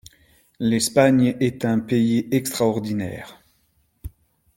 L’Espagne est un pays extraordinaire.